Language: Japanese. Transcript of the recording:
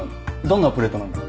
どんなプレートなんだ？